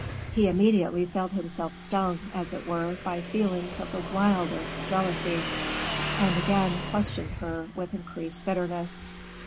He immediately felt himself stung, as it were, by feelings of the wildest jealousy; and again questioned her, with increased bitterness.